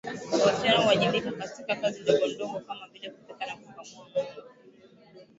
Wasichana huwajibika katika kazi ndogondogo kama vile kupika na kukamua ngombe